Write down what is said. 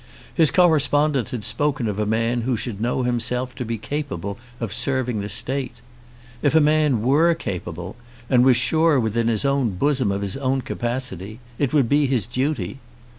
His correspondent had spoken of a man who should know himself to be capable of serving the State. If a man were capable, and was sure within his own bosom of his own capacity, it would be his duty.